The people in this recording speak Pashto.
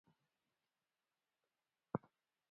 خړه مرغۍ وړه مښوکه لري.